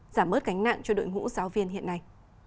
giảm bớt gánh nặng cho đội ngũ giáo viên hiện nay